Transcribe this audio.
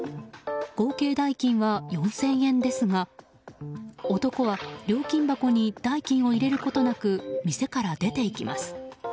合計代金は４０００円ですが男は料金箱に代金を入れることなく店から出ていきます。